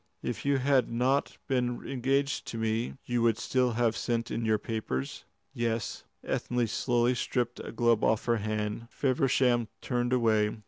"If you had not been engaged to me, you would still have sent in your papers?" "Yes." Ethne slowly stripped a glove off her hand. Feversham turned away.